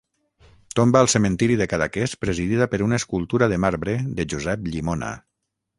Tomba al cementiri de Cadaqués presidida per una escultura de marbre de Josep Llimona.